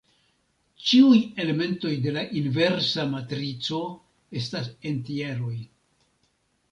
Ĉiuj elementoj de la inversa matrico estas entjeroj.